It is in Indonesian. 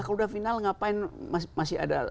kalau udah final ngapain masih ada